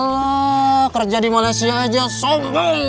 hala kerja di malaysia aja so mabung